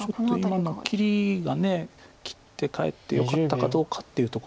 ちょっと今の切りが切ってかえってよかったかどうかっていうとこでしょう。